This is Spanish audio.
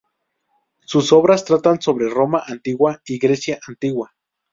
Sus obras tratan sobre Roma Antigua y Grecia Antigua.